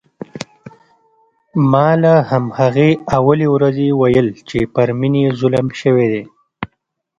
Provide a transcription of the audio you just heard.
ما له همهغې اولې ورځې ویل چې پر مينې ظلم شوی دی